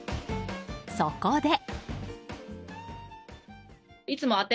そこで。